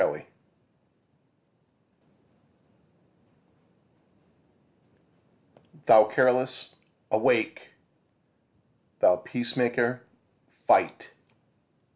[A] Thou careless, awake! Thou peacemaker, fight!